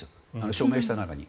署名した中に。